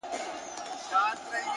هره تجربه نوی لیدلوری بښي؛